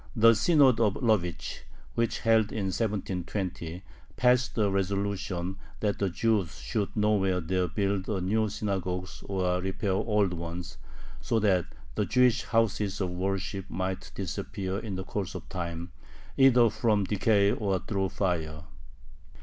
The Synod of Lovich held in 1720 passed a resolution "that the Jews should nowhere dare build new synagogues or repair old ones," so that the Jewish houses of worship might disappear in the course of time, either from decay or through fire.